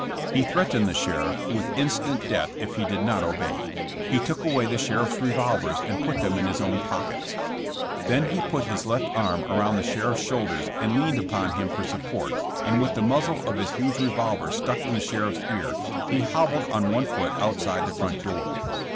He threatened the sheriff with instant death if he did not obey. He took away the sheriff's revolvers and put them in his own pockets. Then he put his left arm around the sheriff's shoulders and leaned upon him for support and with the muzzle of his huge revolver stuck in the sheriff's ear he hobbled on one foot outside the front door.